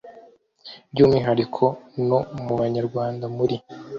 by umwihariko no mu banyarwanda muri